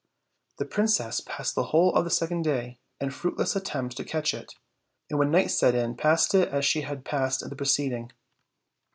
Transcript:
The princess passed the whole of the second day in fruit less attempts to catch it, and when night set in passed it as she had passed the preceding.